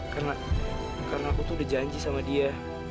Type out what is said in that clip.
karena karena aku tuh udah janji sama dia